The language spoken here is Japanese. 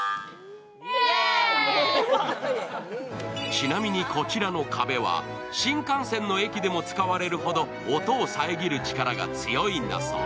ちなみにこちらの壁は新幹線の駅でも使われるほど音を遮る力が強いんだそう。